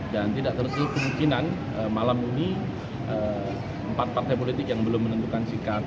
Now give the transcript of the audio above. dan tidak terlalu kemungkinan malam ini empat partai politik yang belum menentukan sikap